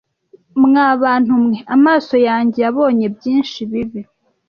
mwa bantu mwe amaso yanjye yabonye byinshi bibi,